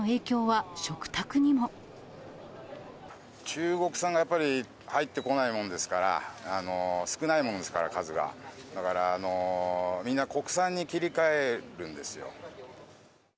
中国産がやっぱり、入ってこないもんですから、少ないもんですから、数が、だから、みんな国産に切り替えるんですよ。